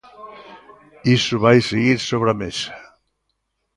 Iso vai seguir sobre a mesa.